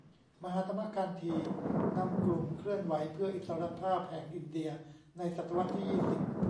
มหาตมะ คานธีนำกลุ่มเคลื่อนไหวเพื่ออิสรภาพแห่งอินเดียในศตวรรษที่ยี่สิบ